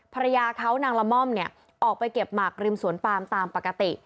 ภรรยาเขานางละม่อมเนี่ยออกไปเก็บหมักริมสวนปามตามปกติ